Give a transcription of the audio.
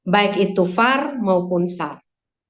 baik itu var maupun sar